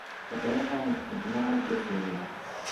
Bɣiɣ ad awen-d-qeddmeɣ argaz-inu.